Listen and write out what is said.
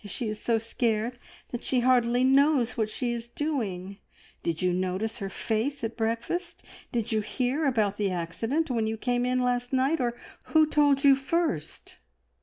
She is so scared that she hardly knows what she is doing. Did you notice her face at breakfast? Did you hear about the accident when you came in last night, or who told you first?"